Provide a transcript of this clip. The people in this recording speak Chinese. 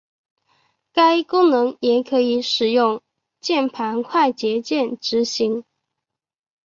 该功能也可以使用键盘快捷键执行。